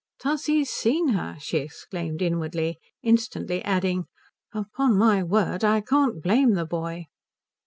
"Tussie's seen her!" she exclaimed inwardly; instantly adding "Upon my word I can't blame the boy."